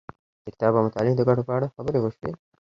د کتاب او مطالعې د ګټو په اړه خبرې وشوې.